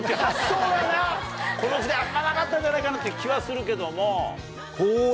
この時代あんまなかったんじゃないかなって気はするけども。